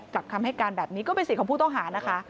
กลับคำให้กันแบบนี้ก็เป็นสิ่งของผู้ต้องหานะคะ